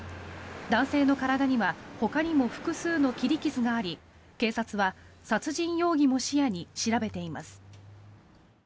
男性の体にはほかにも複数の切り傷があり警察は殺人容疑も視野に調べています。